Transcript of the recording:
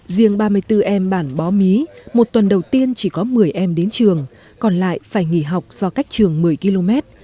riêng ba mươi bốn em bản bó mí một tuần đầu tiên chỉ có một mươi em đến trường còn lại phải nghỉ học do cách trường một mươi km